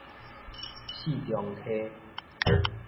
四重溪